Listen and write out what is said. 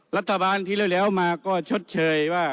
รัฐบาลที่แล้วมาก็ชดเชยว่า